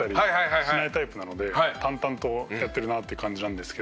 淡々とやってるなって感じなんですけど。